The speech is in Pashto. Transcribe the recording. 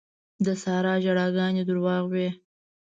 د سارا ژړاګانې دروغ وې.